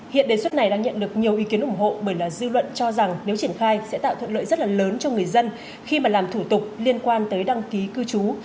hiện đề xuất này đang nhận được nhiều ý kiến ủng hộ bởi dư luận cho rằng nếu triển khai sẽ tạo thuận lợi rất là lớn cho người dân khi mà làm thủ tục liên quan tới đăng ký cư trú